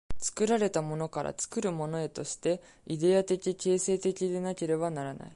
作られたものから作るものへとして、イデヤ的形成的でなければならない。